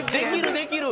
できる？